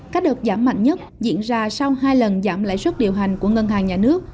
các đợt giảm mạnh nhất diễn ra sau hai lần giảm lãi suất điều hành của ngân hàng nhà nước